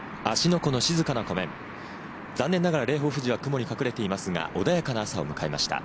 湖の静かな湖面、残念ながら霊峰富士は雲に隠れていますが、穏やかな朝を迎えました。